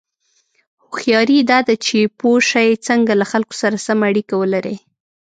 هوښیاري دا ده چې پوه شې څنګه له خلکو سره سمه اړیکه ولرې.